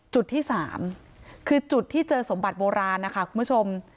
จุดที่๓คือจุดที่เจอสมบัติโบราณนะคะคุณผู้ชม